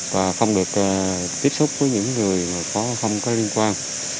và không được tiếp xúc với những người không có liên quan